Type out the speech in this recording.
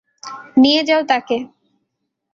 নিয়ে যাও তাকে!